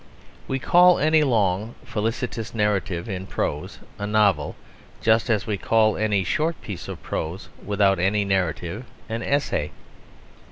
We call any long fictitious narrative in prose a novel, just as we call any short piece of prose without any narrative an essay.